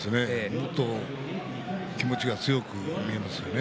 もっと気持ちが強く見えますよね。